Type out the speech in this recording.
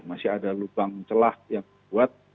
masih ada lubang celah yang dibuat